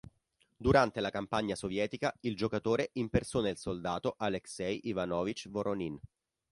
Durante la campagna sovietica, il giocatore impersona il soldato Alexei Ivanovich Voronin.